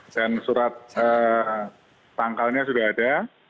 dan surat tangkalnya sudah ada